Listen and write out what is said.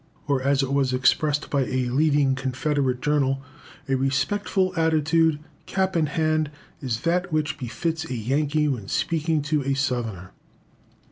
Or, as it was expressed by a leading Confederate journal "A respectful attitude, cap in hand, is that which befits a Yankee when speaking to a Southerner."